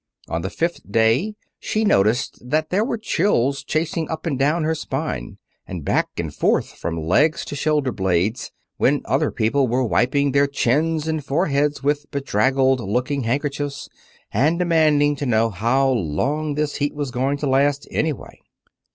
On the fifth day she noticed that there were chills chasing up and down her spine, and back and forth from legs to shoulder blades when other people were wiping their chins and foreheads with bedraggled looking handkerchiefs, and demanding to know how long this heat was going to last, anyway.